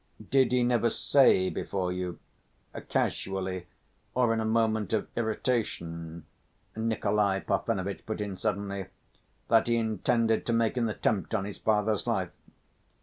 "Did he never say before you ... casually, or in a moment of irritation," Nikolay Parfenovitch put in suddenly, "that he intended to make an attempt on his father's life?"